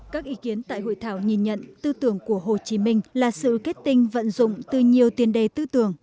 các ý kiến tại hội thảo nhìn nhận tư tưởng của hồ chí minh là sự kết tinh vận dụng từ nhiều tiền đề tư tưởng